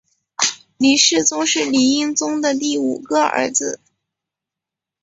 黎世宗是黎英宗的第五个儿子。